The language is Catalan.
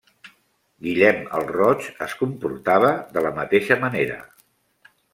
Guillem el Roig es comportava de la mateixa manera.